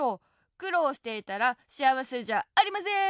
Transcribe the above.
くろうしていたらしあわせじゃありません！